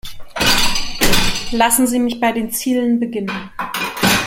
Lassen Sie mich bei den Zielen beginnen.